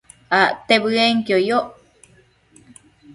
Acte bëenquio yoc